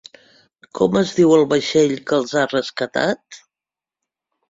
Com es diu el vaixell que els ha rescatat?